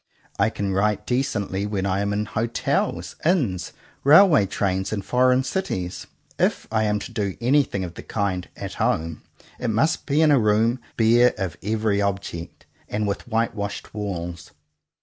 I can write decently when I am in hotels, inns, railway trains, and foreign cities. If I am to do anything of the kind "at home," it must be in a room bare of every object, and with white washed walls.